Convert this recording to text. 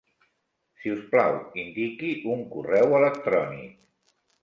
Si us plau, indiqui un correu electrònic.